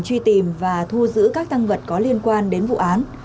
truy tìm và thu giữ các tăng vật có liên quan đến vụ án